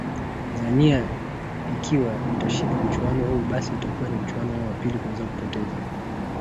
zania ikiwa itashindwa mchuano huu basi itakuwa ni mchuano wao wa pili kuweza kupoteza